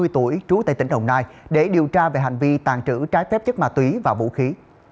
ba mươi tuổi trú tại tỉnh đồng nai để điều tra về hành vi tàn trữ trái phép chất ma túy và vũ khí